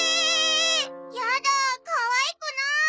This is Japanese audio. やだあかわいくない。